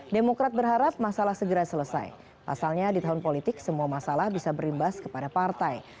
demokrat berharap masalah segera selesai pasalnya di tahun politik semua masalah bisa berimbas kepada partai